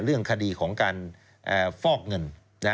เรื่องคดีของการฟอกเงิน